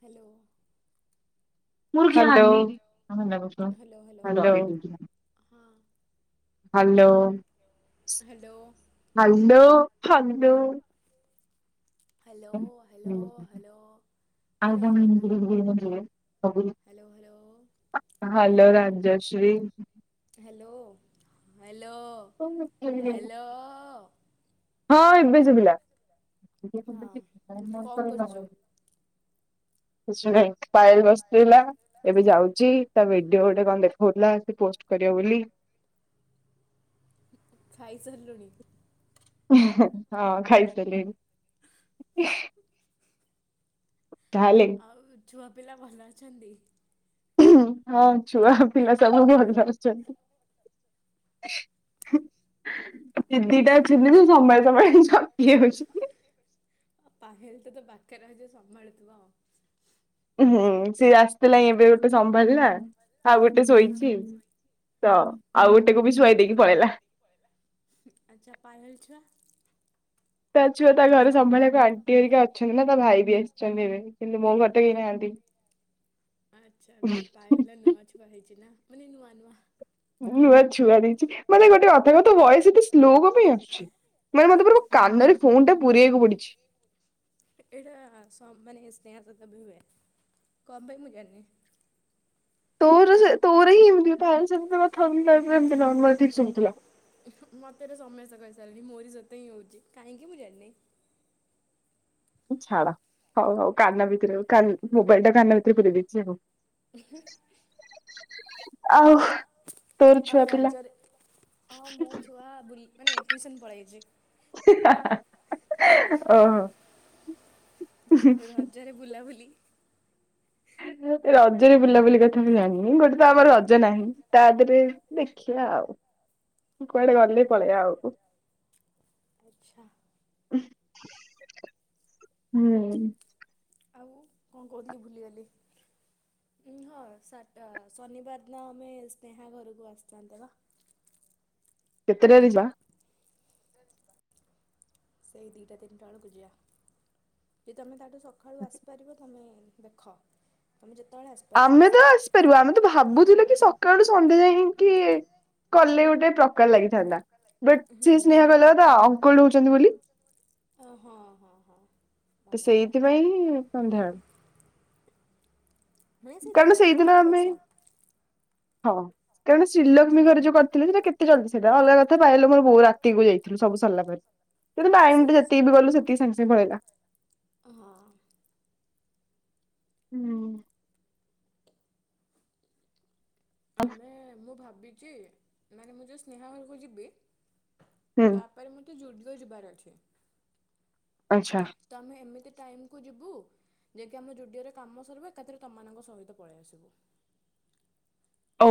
Hello. Hello hello hello hello. ଛଦୁ ଆ hello Rajashree [unintelligible] hello. Hello ହଁ ହ୍ୟାଲୋଓ ହଁ ଏବେ ଶୁବିଲା। ଏ କଣ କରୁଛୁ? କିଛି ନାଇ। ପାୟଲ ବସିଥିଲା। ଏବେ ଯାଉଛି ତା ଭିଡିଓ ଗୋଟେ କଣ ଦେଖଉଥିଲା। ସେ ପୋଷ୍ଟ କରିବ ବୋଲି। ଖାଇ ସାରିଲୁଣି? ହଁ ଖାଇସାରିଲିନି। ହ ତାହଲେ ଛୁଆ ପିଲା ଭଲ ଅଛନ୍ତି? ହଁ ଛୁଆ ପିଲା ସବୁ ଭଲ ଅଛନ୍ତି। ଦି ଦିଦିଟା ଅଛନ୍ତି ତ ସମାଳି ସମାଳି ଥାକିଯାଉଛି। ପାହେଲ ତ ପାଖରେ ଅଛି ସମ୍ଭାଳୁଥିବ। ହୁଁ ସେ ଥିଲା ଏବେ ଗୋଟେ ସମ୍ଭାଳିଲା ଆଉ ଗୋଟେ ଶୋଇଛି ତ ଆଉ ଗୋଟେକୁ ବି ଶୁଆଇ ଦେଇକି ପଳେଇଲା। ଆଚ୍ଛା ପାୟାଲ୍ ଛୁଆ। ତା ଛୁଆ ତା ଘରେ ସମ୍ଭାଳିକୁ ଆଣ୍ଟି ହେରିକି ଅଛନ୍ତି ନା ତା ଭାଇ ବି ଆସିଛନ୍ତି ଏବେ କିନ୍ତୁ ମୋ ଘର ତ କେହି ନାହାନ୍ତି। ଆଚ୍ଛା ଏବେ ତ ପାୟଲର ନୂଆ ଛୁଆ ହେଇଛି ନା ମାନେ ନୂଆଁ ନୂଆଁ ନୂଆ ଛୁଆ ଦେଇଛି ମାନେ ଗୋଟେ ତାଙ୍କ ତ ଭଏସ ଏତେ ସ୍ଲୋ କଣ ପାଇଁ ଆସୁଛି। ମେ ମତେ କାନରେ ଫୋନ୍ ଟା ପୁରେଇବାକୁ ପଡିଛି। ଏଇଟା ସ ମାନେ [unintelligible] କଣ ପାଇଁ ମୁଁ ଜାଣିନି। ତୋର ସେ ତୋର ହି [unintelligible] ଠିକ ଶୁଭୁଥିଲା। ମତେ ତ ସମସ୍ତେ କହିସାରିଲଣି ମୋରି ସତ୍ୟ ହିଁ ହଉଛି କାହିଁକି ମୁଁ ଜାଣିନି। ଛାଡ ହଉ ହଉ କାନ ଭିତରେ ମୋବାଇଲ ଟା କାନ ଭିତରେ ପୁରେଇଦେଇଛି ଆଉ। ହ ଆଉ ତୋର ଛୁଆ ଆଉ ରଜରେ ହଁ ମୋ ଛୁଆ ବୁଲି ମାନେ ଟିଉସନ ପଳେଇଛି। ଓହୋ। ରଜରେ ବୁଲାବୁଲି ରଜରେ ବୁଲାବୁଲି କଥା ବି ଜାଣିନି ଗୋଟେ ତ ଆମର ରଜ ନାହିଁ ତା ଦେହରେ ଦେଖିବା ଆଉ କୁଆଡେ ଗଲେ ପଳେଇବା ଆଉ। ଆଚ୍ଛା। ହୁଁ। ଆଉ କଣ କହୁଥିଲି ଭୁଲିଗଲି ହଁଟା ଶନିବାର ଦିନ ଆମେ ସ୍ନେହା ଘରକୁ ଆସିଥାନ୍ତେ ବା। କେତେଟାରେ ଯିବା? ସେଇ ଦିଇଟା ତିନିତଳୁ କୁ ଜିଆ ଯଦି ତମେ ତାଠୁ ସକାଳୁ ଆସିପାରିବ ତମେ ଦେଖ ତମେ ଯେ ଆମେ ତ ଆସିପାରିବା ଆମେ ତ ଭାବୁଥିଲୁ କି ସକାଳୁ ସନ୍ଧ୍ୟା ଯାଇକି କଲେ ଗୋଟେ ପ୍ରକାର ଲାଗିଥାନ୍ତା ବଟ୍ ସି ହୁଁ। ସ୍ନେହ କଲେ ତା ଅଙ୍କଲ ହଉଛନ୍ତି ବୋଲି ଅ ହଁ ହଁ ହଁ ମନେ ତ ନଥିଲା ସେଇଥିପାଇଁଁ ସନ୍ଧ୍ୟା ମାନ ସେ ଦିଇଟା ତିନିଟା ବେଳକୁ ଆମେ ଆସ। ହଁ। କାରଣ ଶ୍ରୀଲକ୍ଷ୍ମୀ ଘରେ ଯୋଉ କରିଥିଲେ ସେଇଟା କେତେ ଜଲଦି ସେଇଟା ଅଲଗା କଥା ବାଇଲୋକର ବୋ ରାତିକୁ ଯାଇଥିଲୁ ସବୁ ସରିଲା ପରେ କିନ୍ତୁ ସେଇ ବାଇନଟା ଯେତିକି ବି ଗଲୁ ସେତିକି ସାଙ୍ଗେ ସାଙ୍ଗେ ପଳେଇଲା। ହଁ। ହୁଁ। ଆମେ ମୁଁ ଭାବିଚି ମାନେ ମୁଁ ଯୋଉ ସ୍ନେହା ଘରକୁ ଯିବି। ହୁଁ ତାପରେ ମତେ ଯୁଡିଓ [unintelligible] ଯିବାର ଅଛି। ଆଚ୍ଛା ତମେ ଏମିତି ଟାଇମ୍ କୁ ଯିବୁ ଯାଇକି ଆମ ଯୁଡିଓରେ କାମ ସରିବ ଏକାଥରେ ତମମାନଙ୍କ ସହିତ ପଳେଇ ଆସିବୁ। ଓ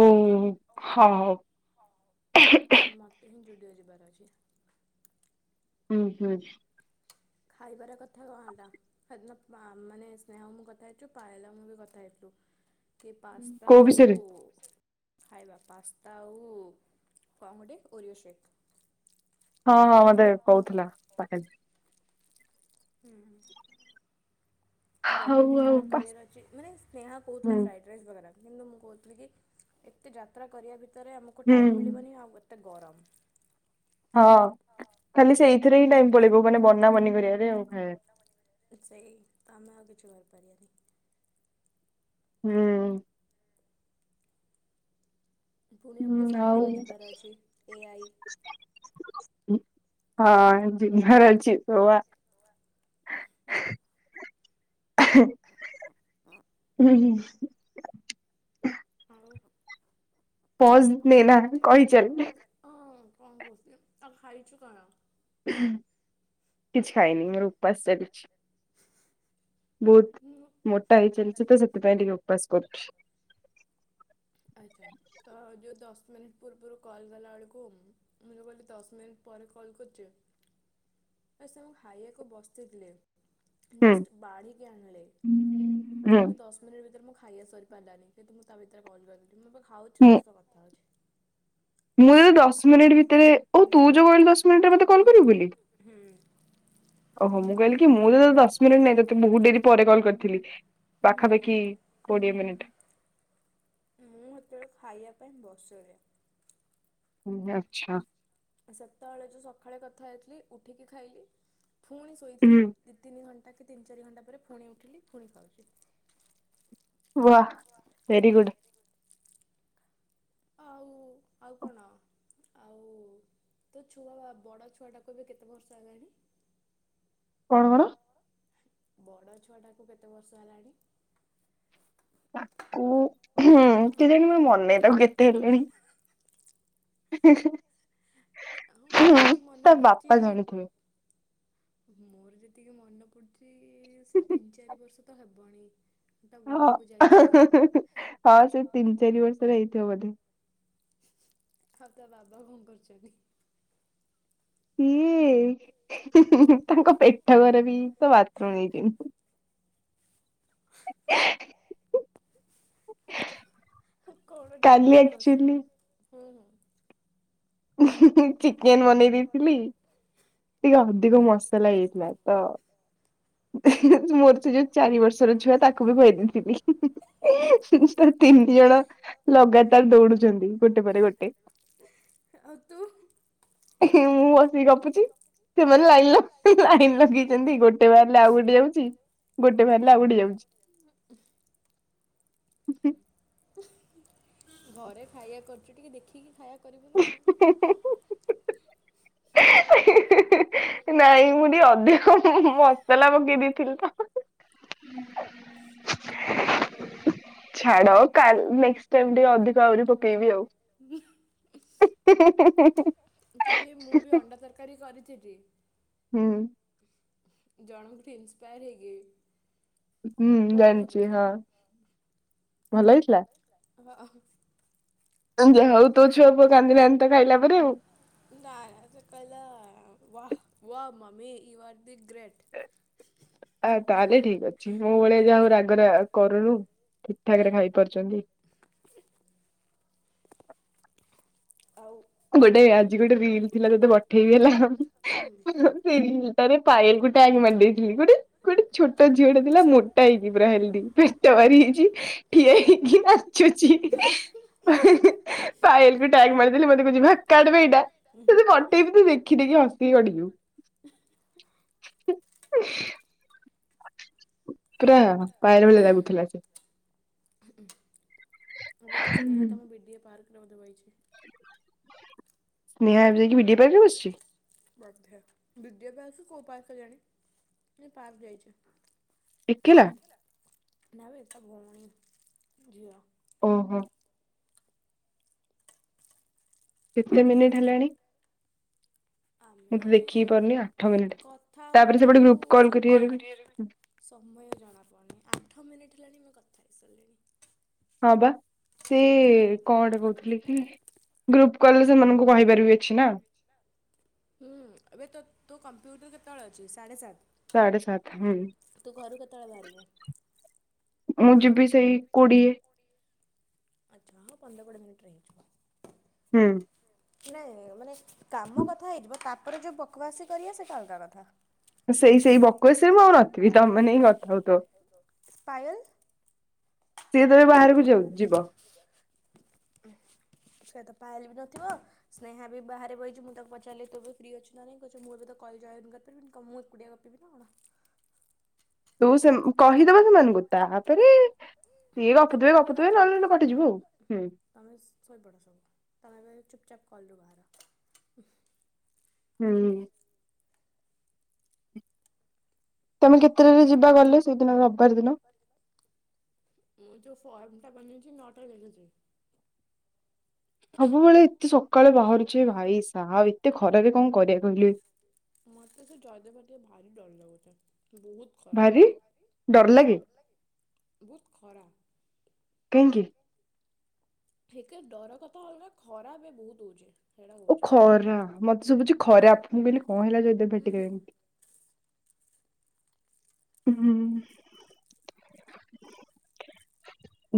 ହୋଉ। କାଲି ମତେ କିନ୍ତୁ ଯୁଡିଓ ଜିିବାର ଅଛି। ଉଁ ହୁଁ। ଖାଇବାର କଥା କଣ ହେଲା? ହେଦିନ ମା-ମାନେ ସ୍ନେହ ମୁଁ କଥା ହେଇଥିଲୁ ପାଏଲ ଆଉ ମୁଁ ବି କଥା ହେଇଥିଲୁ। କି ପାସ୍ତା କୋଉ ଆଉ ବିଷୟରେ ଖାଇବା ପାସ୍ତା ଆଉ କଣ ଗୋଟେ ଓରିଓ ଶେକ୍। ହଁ ହଁ ମତେ କୋହୁଥିଲା ପା [unintelligible] ହୁଁ। ଯଦିଓ ହଉ କିଛି ଆଉ। ଆଡ୍ କରିବାର ଅଛି ମାନେ ସ୍ନେହା ହୁଁ କୋହୁଥିଲା ଫ୍ରାଇଡ ରାଇସ୍ ବଗେରା। କିନ୍ତୁ ମୁଁ କୋହୁଥିଲି କି ଏତେ ଯାତ୍ରା କରିବା ଭି ତରେ ଆମକୁ ହୁଁ ଟାଇମ୍ ମିଳିବନି ଆଉ [unintelligible] ଗରମ ହଁ ଖାଲି ସେଇଥିରେ ହିଁ ଟାଇମ ପଳେଇବ ମାନେ ବନା ବନି କରିବାରେ ଆଉ ଖାଇବାରେ। ସେହି ତାମ ଆଗ ଜୋଉ- ହୁଁ। ପୁଣି ହୁଁ ଆମକୁ ଆଉ ସଣ୍ଡେ ବି ଯିବାର ଅଛି ଏଆଇ- ହୁଁ ହୋଏ। [unintelligible] [inaudible] ହୁଁ। ଆଉ ପଜ୍ ନେ ନା କହି ଚାଲ୍। ହଁ କଣ କୋହୁଚୁ ଆ ଖାଇଚୁ କଣ? କିଛି ଖାଇନି ମୋର ଉପାସ ଚାଲିଚି। ମୁଁ ବୋହୁତ ମୋଟା ହେଇ ଚାଲିଚି ତ ସେଥିପାଇଁ ଟିକେ ଉପାସ କରୁଚି। ଆଛା ତ ଯୋଉ ଦଶ ମାନେ ପୂର୍ବରୁ କଲ୍ ଗଲାବେଳକୁ ମୁଁ ଯୋଉ କହିଲି ଦଶ ମିନିଟ୍ ପରେ କଲ୍ କରୁଚି ଆ ସେ ମୁଁ ଖାଇବାକୁ ବସିଥିଲିରେ। ହୁଁ ଜଷ୍ଟ ବାଢିକି ଆଣିଲ ହୁଁ କିନ୍ତୁ ଦଶ ମିନିଟ ଭିତରେ ମୁଁ ଖାଇବା ସରି ପାରିଲାନି କିନ୍ତୁ ମୁଁ ତା ଭିତରେ କଲ୍ କଲି। ଏବେପା ଖାଉଚି ହୁଁ। ତୋ ସହ କଥା ହୋଉଚି। ମୁଁ ଯୋଉ ଦସ୍ ମିନିଟ ଭିତରେ ଓହୋ ତୁ ଯୋଉ କହିଲୁ ଦଶ ମିନିଟରେ ମତେ କଲ କରିବୁ ବୋଲି ହୁଁ ଓହୋ ମୁଁ କହିଲି କି ମୁଁ ତ ଦଶ ମିନିଟ ନାହିଁ ତତେ ବୋହୁତ ଡରି ପରେ କଲ କରିଥିଲି। ହୁଁ ହୁଁ ପାଖାପାଖି କୋଡିଏ ମିନିଟ୍। ମୁଁ ସେତେବେଳେ ଖାଇବା ପାଇଁ ବସରେ ଆଚ୍ଛା ସେତେବେଳେ ଯୋଉ ସକାଳେ କଥା ହେଇ ଉଠିକି ଖାଇଲି। ପୁଣି ଶୋଇଥିଲି ଦିଇ ତିନି ଘ ବାକି ତିନି ଚାରି ଘଣ୍ଟା ପରେ ପୁଣି ଉଠିଲି ପୁଣି ଖାଉଚି। ବାଃ ଭେରି ଗୁଡ୍। ଆଉ ଆଉ କଣ ଆଉ ତୋ ଛୁଆ ବଡ଼ ଛୁଆଟାକୁ ଏବେ କେତେ ବର୍ଷ ହେଲାଣି? କଣ କଣ? ବଡ ଛୁଆଟାକୁ କେତେ ବର୍ଷ ହେଲାଣି? ହୁଁ କେଜାଣି ମୋର ମନେ ନାହିଁ ତାକୁ କେତେ ହେଲେଣି। [unintelligible] ଆଉ ମୋର ତ ହୁଁ ଏତିକି ମନେ ତା ପଡୁଛି ବାପା ଜାଣିଥିବେ। ମୋର ଯେତିକି ମନେ ପଡୁଚି ସେ ତିନି ଚାରି ବର୍ଷ ତ ହେବଣି। ତା ବର୍ଥଡେକୁ ଯାଇଥିଲି [unintelligible] ହଁ ସେ ତିନି ଚାରି ବର୍ଷର ହେଇ ଥିବ ବୋଧେ। ଆଉ ତା ବାବା କଣ କରୁଚନ୍ତି? ଏଇ [unintelligible] ତାଙ୍କ ପେଟ ଖରାପ ହେଇଯାଇଚି ତ ବାଥରୁମ୍ ଯାଇଚନ୍ତି। [unintelligible] କଣ ଠିକ କାଲି ଠାକ କସ ଆକ୍ଚୁଲି ହୁଁ ହୁଁ [inaudible] ଚିକେନ ବନେଇ ଦେଇେଇଥିଲି ଟିକେ ଅଧିକ ମସଲା ହେଇଥିଲା ତ ମୋର ସେ ଯୋଉ ଚାରି ବର୍ଷର ଛୁଆ ତାକୁ ବି କହିଦେଇଥିଲି ତିନି ଜଣ ଲଗାତାର ଦୌଡୁଛନ୍ତି ଗୋଟେ ପରେ ଗୋଟେ ଆଉ ତୁ? ମୁଁ ଗପୁଛି ସେମାନେ ଲାଇନ ଲାଇନ ଲଗେଇଛନ୍ତି। ଗୋଟେ ବାହାରିଲେ ଆଉ ଗୋଟେ ଯାଉଛି ଗୋଟେ ବାହାରିଲେ ଆଉ ଗୋଟେ ଯାଉଛି। ହଁ। ଘରେ ଖାଇବା କରୁଛୁ ଟିକେ ଦେଖିକି ଖାଇବା କରିବୁ ନା ଆଉ ନାଇଁ ମୁଁ ଟିକେ ଅଧିକ ମସଲା ପକେଇ ଦେଇଥିଲି ତ। ଛାଡ ନେକ୍ସଟ୍ ଟାଇମ ଆଉ ଟିକେ ଅଧିକ ଆହୁରି ପକେଇବି ଆଉ। ହ। କାଲି ମୁଁ ବି ଅଣ୍ଡା ତରକାରୀ କରିଥିଲି [unintelligible] ହୁଁ। ଜଣଙ୍କଠୁ ଇନ୍ସ୍ପାୟର ହେଇକି ହୁଁ ଭଲ ଜାଣିଛି ଲାଗୁଥିଲା ହଁ ଭଲ ହେଇଥିଲା। ଓହୋ। ଯ ହଉ ତୋ ଛୁଆ ପୁଅ କାନ୍ଦିଲଣି ତ ଖାଇଲା ପରେ ଆଉ wow mummy you are the great ଆଉ ତାହେଲେ ଠିକ ଅ ଛି ମୋ ଭଳିଆ ଯାହା ହଉ ରାଗରେ ଆଉ କରୁନୁ ଠିକଠାକ ରେ ଖାଇପାରୁଛନ୍ତି। ଆଉ ଗୋଟେ ଆଉ କଣ ଆଜି ଗୋଟେ ରିଲ ଥିଲା ତତେ ପ ଠେଇ ଦେଲା ଆଉ। [unintelligible] ଆରେ ପାୟଲ କୁ ଟ୍ୟାଗ ମାରଦେଇଥିଲି ଗୋଟେ ଗୋଟେ ଛୋଟ ଝିଅଟେ ଥିଲା ମୋଟା ହେଇକି ପୁରା ହେଲଦି ପେଟ ଭାରି ଯାଇଛି ଠିଆ ହେଇକି ନାଚୁଛି [unintelligible] ପାୟଲ କୁ ଟ୍ୟାଗ ମାରିଥିଲା ମ ଯିବା କାଟ ବେ ଏଇଟା ତତେ ପଠେଇବି ତୁ ଦେଖି ଦେଖି ହସିକି ଗଡି ହୁଁ। [unintelligible] [inaudible] ପୁରା ପାୟଲ ଭଳିଆ ଲାଗୁଥିଲା ସେ। ଉଁ ହୁଁ। ଏବେ ତ ସ୍ନେହା ତମ ବି ଡି ଏ ପାର୍କ। ରେ ବଧେ ବଇଚି। ସ୍ନେହା ଏବେ ଯାଇକି ବି ଡ଼ି ଏ ପାର୍କରେ ବସଛି। ବୋଧେ ବି ଡ଼ି ଏ ପାର୍କ କି କଉ ପାର୍କ କେଜାଣି କିନ୍ତୁ ପାର୍କ ଯାଇଛି। ଏକେଲା। ନବେ ତା ଭଉଣୀ ଝିଅ। ଓ ହୋ। କେତେ ମିନିଟ ହେଲାଣି? ମୁଁ ତ ଆମେ ଦେଖିକି ପାରୁନି ଆଠ ମିନିଟ୍ କଥା ତାପରେ ହଉ ସେପଟେ ଗ୍ରୁପ କଲ୍ କରିବାରେ ବି ହଉ ସମୟ ଜଣା ପଡୁନି ଆଠ ମିନିଟ। ଉଠିଲାଣି ଆମେ କଥା ହେଇ ଶାରିଲେଣି। ହଁ ବା ସେ କଣଟେ କହୁଥିଲେ କି ଗ୍ରୁପ କଲେ ସେମାନଙ୍କୁ କହିବାରିବିଅଛି ନା। ହୁଁ ଏବେ ତୋ କମ୍ପ୍ୟୁଟର କେତେବେଳେ ଅଛି ସାଢେ଼ ସାତ? ସାଢେ଼ ସାତ ହୁଁ। ତୁ ଘରୁ କେତେବେଳେ ବାହାରିବୁ? ମୁଁ ଯିବି ସେଇ କୋଡିଏ। ଆଚ୍ଛା ହ ପନ୍ଦର କୋଡ଼ିଏ ମିନଟ ରେ ହେଇଯିବ। ହୁଁ। ନଁ ମାନେ କାମ କଥା ହେଇଯିବ ତା ତାରେ ଯୋଉ ବକବାସି କର ସୋଲଗକା କଥା ସେଇ ସେଇ ବକସରେ ମୁଁ ଆଉ ନଥିବି ତମେ ନେଇ କଥା ହଉଥ ପାୟଲ ସିଏ ତବେ ବାହାରକୁ ଯ ଯିବ। ସେ ତ ପାଇଲେ ବି ନଥିବ। ସ୍ନେହା ବି ବାହାରେ ବହିଛି ମୁଁ ତାକୁ ପଚାରିଲି ତୁ ବି ଫ୍ରି ଅଛି ନାହିଁ କଛ ମୁଁ ଏବେ ତ କଲଜନ କରିପାରିବିନି ମୁଁ ଏକୁଡିଆ କପିବି ନା କଣ? ତୁ ସେ କହି ସେମାନଙ୍କୁ ତା ତାପରେ ସଏ ତାପରେ ଗପଥିବେ କହିବେ ଗପଥିବେ ରଖ ନ ନଲେ ପଟିଯିବୁ ଆଉ ହୁଁ। ତମେ ଚ କଲବା। ହୁଁ। ତମେ କେତେଟାରେ ଯିବା ଗଲେ ସେଇଦିନ ରବିବାର ଦିନ। ପଟା ବନ୍ଧଛି ନଅଟା ବଖଛି। ସବୁବେଳେ ଏତେ ସକାଳେ ବାହାରୁଛେ ଭାଇ ସାହା ଏତେ ଖରାରେ କଣ କରିବା କହିଲି। ମୋତେ ସେ ଜୟଦେବ ଭାଟିକା ଭାରି ଡର ଲଗୁଛ। ବହୁତ ଖରା ବହୁତ ଡର ଲାଗେ ଖରା। କାହିଁକି ଏକେ ଡର କଥା ହେଲ ନା ଖରା ଏ ବହୁତ ହଉଛି। ସେଇଟା ଓ କହୁଛି। ଖରା ମତେ ଶୁଭୁଛି ଖରା ଆପଣଙ୍କୁ ବୋଲି କଣ ହେଲା ଯଦ ଉଁ ଭେଟିକ ହୁଁ ହୁଁ ଏମିତି ହୁଁ।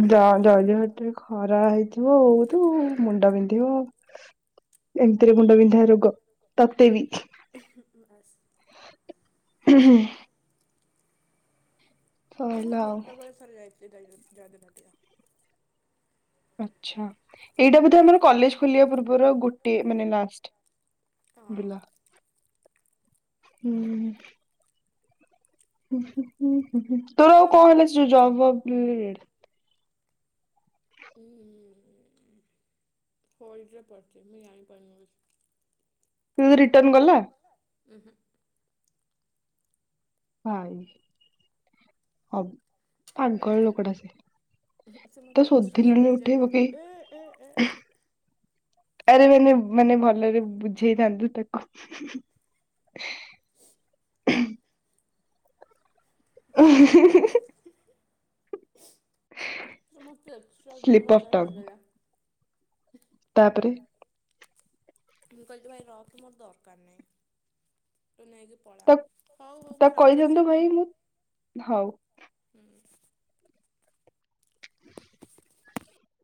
ଏଇଟା ଯ ହଉଛି କଥା। ଜହଟେ ଖରା ହେଇଥିବ ହଉ ତୁ ମୁଣ୍ଡ ବିନ୍ଧିବ। ଏମିତିରେ ମୁଣ୍ଡ ବିିନ୍ଧା ର- କ ତୋତେ ବି ବାସ୍ ହୁଁ ହୁଁ। ମୁଁ ସଇଲା ଆଉ ଛୋଟବେେଳେ ଥରେ ଯାଇଥିଲି। [unintelligible] ଆଛା। ଏଇଟା ବୋଧେ ଆମର କଲେଜ ଖୋଲିବା ପୂର୍ବରୁ ଆଉ ଗୋଟେ ମାନେ ଲାଷ୍ଟ ଥିଲା। ହୁଁ। ହୁ ହୁଁ ହୁଁ ହୁଁ ହୁଁ। ତୋର ଆଉ କଣ ହେଲା ସେ ଜବଫବ୍ ରିଲେଟେଡ୍। [unintelligible] ତ ରିଟର୍ଣ ଗଲା। ଉଁ ହୁଁ [unintelligible] ପାଗଳ ଲୋକଟା ସେ ସେ ମୋତେ ତ ଏକ୍ସଟ୍ରା ଦି ଶୋଧିଲୁନି ହଜାର ଉଠେଇ ମାଗିଲେ ପକେଇ ଏ ଏ ଏ ଏ ଆରେ ମାନେ ମାନେ ଭଲରେ ବୁଝେଇଥାନ୍ତୁ ତା। [unintelligible] [unintelligible] ସେ ମତେ [unintelligible] ଦୁଇ ସ୍ଲିପ ଅଫ୍ ହଜାର ଟଙ୍ଗ ମାଗଲା। [unintelligible] [inaudible] ମୁଁ କହିଲି ତୁ ଭାଇ ରଖେ ମୋର ଦରକାର ନାହିଁ। ତୁ ନେଇକି ପଳା ତା ହଉ ହଉ ମୁଁ ତାକୁ ରଖୁଛି କହିଥାନ୍ତୁ ଏବେ ଭାଇ ମୁଁ ହଉ ହୁଁ।